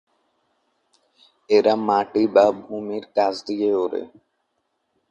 এরা মাটি বা ভূমির কাছ দিয়ে ওড়ে।